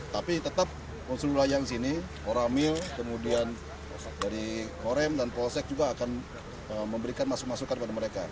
tapi tetap konsul layang sini koramil kemudian dari korem dan polsek juga akan memberikan masukan masukan kepada mereka